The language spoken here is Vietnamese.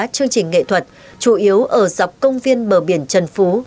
chương trình nghệ thuật chủ yếu ở dọc công viên bờ biển trần phú